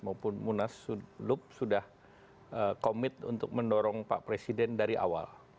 apun munas lup sudah komit untuk mendorong pak presiden dari awal